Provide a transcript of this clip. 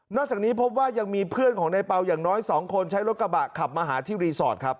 จากนี้พบว่ายังมีเพื่อนของในเปล่าอย่างน้อย๒คนใช้รถกระบะขับมาหาที่รีสอร์ทครับ